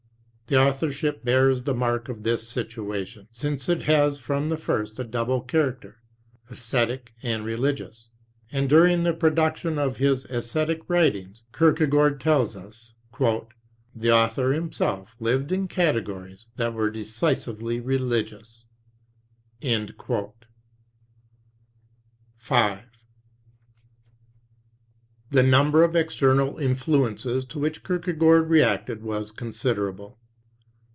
The authorship bears the mark of this situation, since it has from the first a double character — esthetic and religious; and during the production of his esthetic writings, Kierkegaard tells us, "the author himself lived in categories that were decisively religious." The number of external influences to which Kierkegaard reacted was considerable.